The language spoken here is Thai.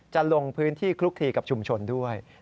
จะลงพื้นที่คลุกคลีกับชุมชนด้วย